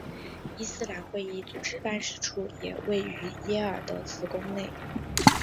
伊斯兰会议组织办事处也位于耶尔德兹宫内。